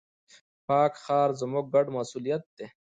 پاک ښار، زموږ ګډ مسؤليت دی.